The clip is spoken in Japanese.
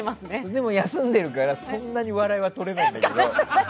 でも、休んでるからそんなに笑いはとれないんだけど。